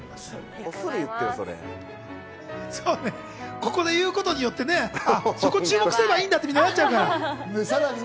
ここで言うことによってね、そこ注目すればいいんだって、みんなはなっちゃうからね。